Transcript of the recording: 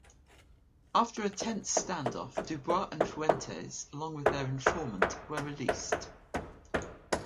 After a tense standoff, DuBois and Fuentes, along with their informant, were released.